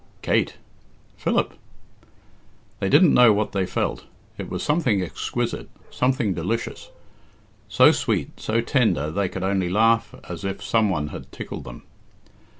"Kate!" "Philip!" They didn't know what they felt. It was something exquisite, something delicious; so sweet, so tender, they could only laugh as if some one had tickled them.